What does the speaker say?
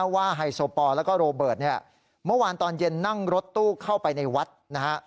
ไฮโซปอลแล้วก็โรเบิร์ตเนี่ยเมื่อวานตอนเย็นนั่งรถตู้เข้าไปในวัดนะฮะ